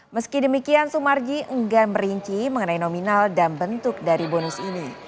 meski demikian sumarji enggan merinci mengenai nominal dan bentuk dari bonus ini